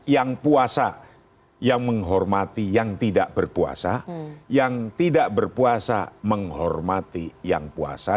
yang puasa yang menghormati yang tidak berpuasa yang tidak berpuasa menghormati yang puasa